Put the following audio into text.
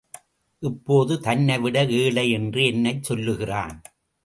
இப்போது தன்னைவிட ஏழை என்று என்னைச் சொல்லுகிறான்.